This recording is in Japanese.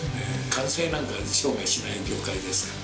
完成なんか生涯しない業界ですから。